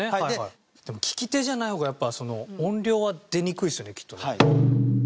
でも利き手じゃない方がやっぱ音量は出にくいですよねきっとね。